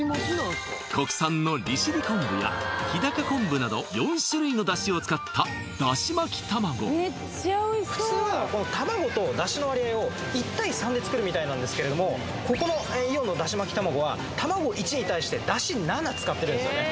国産の利尻昆布や日高昆布など４種類のだしを使っただし巻き玉子で作るみたいなんですけれどもここのイオンのだし巻き玉子は卵１に対してだし７使ってるんですよね